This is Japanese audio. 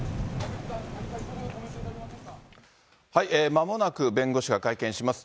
まもなく弁護士が会見します。